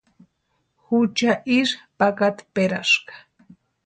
Jucha isï pakatperaska.